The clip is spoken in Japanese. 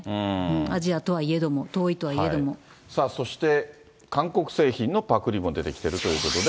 アジアとはいえども、そして、韓国製品のパクリも出てきてるということで。